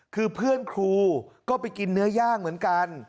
คือเพื่อนครูก็ไปกินเนื้อย่างเหมือนกัน